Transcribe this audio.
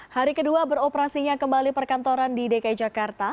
hari kedua beroperasinya kembali perkantoran di dki jakarta